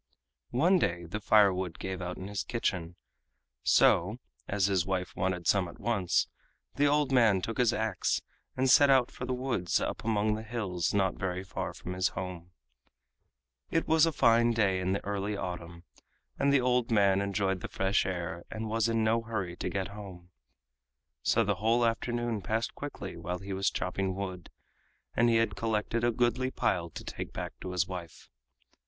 One day the firewood gave out in his kitchen, so, as his wife wanted some at once, the old man took his ax and set out for the woods up among the hills not very far from his home. It was a fine day in the early autumn, and the old man enjoyed the fresh air and was in no hurry to get home. So the whole afternoon passed quickly while he was chopping wood, and he had collected a goodly pile to take back to his wife.